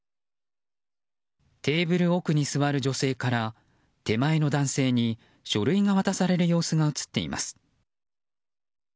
テーブル奥に座る女性から手前の男性に書類が渡される様子が映っています。